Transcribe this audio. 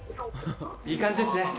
いい感じですね。